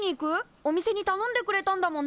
お店にたのんでくれたんだもんね。